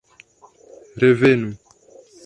Revenu!